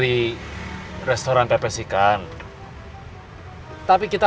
rempat restoran pepes ikan yang paling enak